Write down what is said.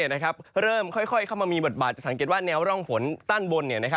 เริ่มค่อยเข้ามามีบทบาทจะสังเกตว่าแนวร่องฝนด้านบน